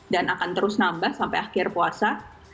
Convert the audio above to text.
dan akan terus nambah sampai akhir puasa